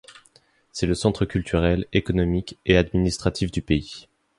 C'est le centre culturel, économique et administratif du pays.